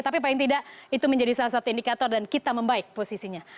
tapi paling tidak itu menjadi salah satu indikator dan kita membaik posisinya